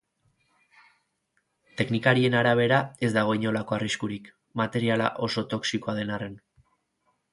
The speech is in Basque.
Teknikarien arabera ez dago inolako arriskurik, materiala oso toxikoa den arren.